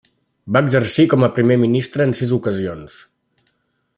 Va exercir com a Primer Ministre en sis ocasions.